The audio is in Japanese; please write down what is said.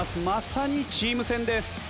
まさにチーム戦です。